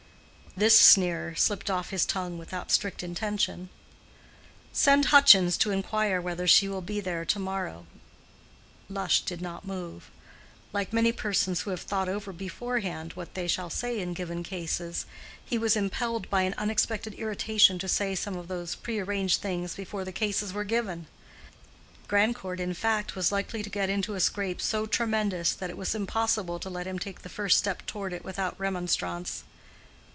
This sneer slipped off his tongue without strict intention. "Send Hutchins to inquire whether she will be there to morrow." Lush did not move. Like many persons who have thought over beforehand what they shall say in given cases, he was impelled by an unexpected irritation to say some of those prearranged things before the cases were given. Grandcourt, in fact, was likely to get into a scrape so tremendous that it was impossible to let him take the first step toward it without remonstrance.